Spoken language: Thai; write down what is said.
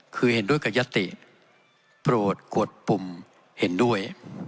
คือเห็นด้วยกับยติโปรดกวดปุ่มเห็นด้วย